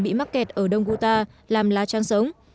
bị mắc kẹt ở đông guta làm lá trắng sống